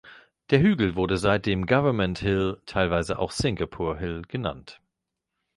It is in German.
Der Hügel wurde seitdem Government Hill (teilweise auch Singapore Hill) genannt.